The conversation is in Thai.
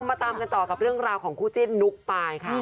มาตามกันต่อกับเรื่องราวของคู่จิ้นนุ๊กปายค่ะ